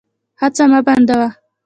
هڅه مه بندوه.